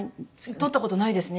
取った事ないですね